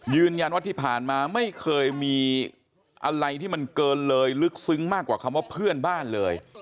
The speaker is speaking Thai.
ยืนยันว่าที่ผ่านมาไม่เคยมีอะไรที่มันเกินเลยลึกซึ้งมากกว่าคำว่าเพื่อนบ้านเลย